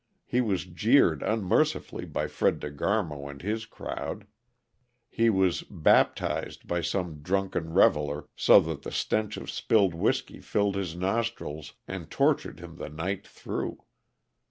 He was jeered unmercifully by Fred De Garmo and his crowd. He was "baptized" by some drunken reveler, so that the stench of spilled whisky filled his nostrils and tortured him the night through.